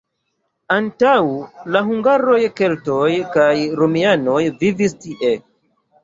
Antaŭ la hungaroj keltoj kaj romianoj vivis tie.